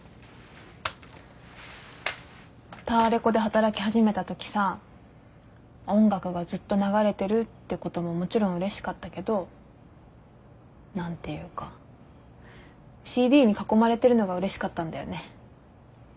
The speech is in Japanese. タワレコで働き始めたときさ音楽がずっと流れてるってことももちろんうれしかったけど何ていうかＣＤに囲まれてるのがうれしかったんだよね。